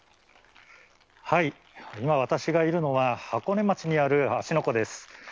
今、私がいるのは、箱根町にある芦ノ湖です。